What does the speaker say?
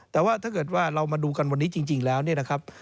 แต่ว่าถ้าเกิดว่าเรามาดูกันวันนี้จริงแล้วเนี่ยนะครับ